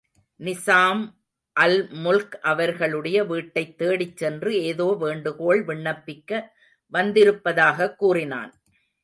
Nizam al Mulk அவர்களுடைய வீட்டைத்தேடிச் சென்று, ஏதோ வேண்டுகோள் விண்ணப்பிக்க வந்திருப்பதாகக் கூறினான்.